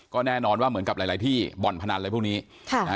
ก็แน่นอนว่าเหมือนกับหลายหลายที่บ่อนพนันอะไรพวกนี้ค่ะนะฮะ